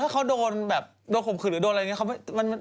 ถ้าเขาโดนแบบโดนข่มขืนหรือโดนอะไรอย่างนี้